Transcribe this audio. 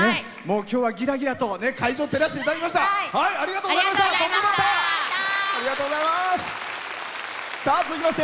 きょうはギラギラと会場を照らしていただきました。